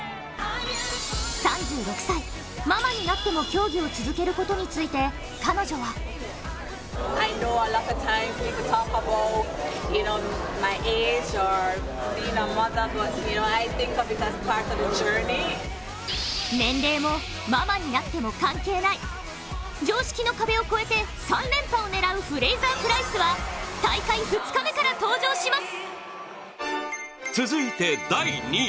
３６歳、ママになっても競技を続けることについて、彼女は年齢もママになっても関係ない常識の壁を越えて３連覇を狙うフレイザープライスは大会２日目から登場します。